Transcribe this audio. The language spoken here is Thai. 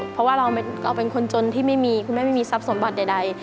เพราะว่าเราเป็นคนจนที่ไม่มีคุณแม่ไม่มีทรัพย์สมบัติใด